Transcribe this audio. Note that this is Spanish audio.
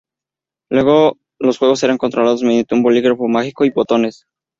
Los juegos eran controlados mediante un bolígrafo "mágico" y botones.